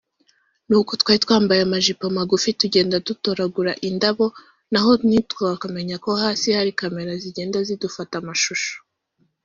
nuko twari twambaye amajipo magufi tugenda dutoragura indabo naho ntitukamenye ko hasi hari Camera zigenda zidufata amashusho